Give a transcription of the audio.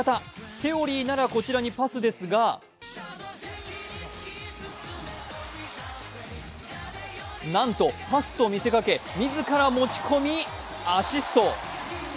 セオリーならこちらにパスですがなんと、パスと見せかけ自ら持ち込みアシスト。